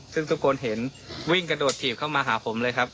ซึ่งทุกคนเห็นวิ่งกระโดดถีบเข้ามาหาผมเลยครับ